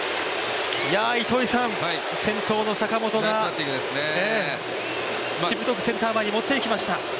先頭の坂本がしぶとくセンター前に持って行きました。